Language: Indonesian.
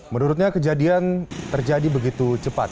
menurutnya kejadian terjadi begitu cepat